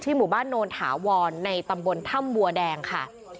หมู่บ้านโนนถาวรในตำบลถ้ำบัวแดงค่ะ